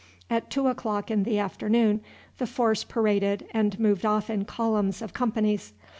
At two o'clock in the afternoon the force paraded and moved off in columns of companies.